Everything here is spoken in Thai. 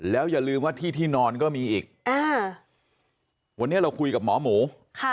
แล้วอย่าลืมว่าที่ที่นอนก็มีอีกวันนี้เราคุยกับหมอหมู